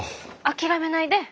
☎諦めないで。